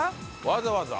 わざわざ？